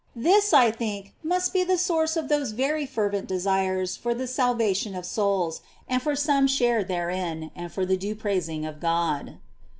This, I think, must be the source of those very fervent desires for the salvation of souls, and for some share therein, and for the due praising of God.